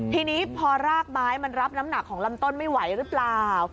ทีนี้พอรากไม้มันรับน้ำหนักของลำต้นไม่ไหวหรือเปล่า